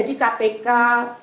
ayo ketemu saja suami